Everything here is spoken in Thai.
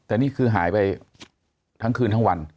แต่นี่คือหายไปทั้งคืนทั้งวัน